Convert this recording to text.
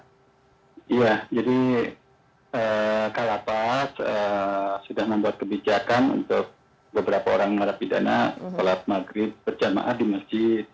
iya jadi kalapas sudah membuat kebijakan untuk beberapa orang narapidana sholat maghrib berjamaah di masjid